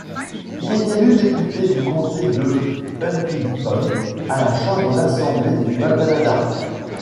Il est élu député du Comté de Huntingdon à la Chambre d'assemblée du Bas-Canada.